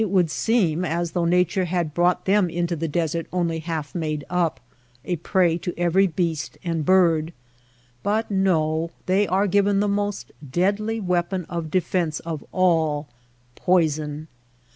would seem as though Nature had brought them into the desert only half made up — a prey to every beast and bird. But no; they are given the most deadly weapon of defence of all — ^poison.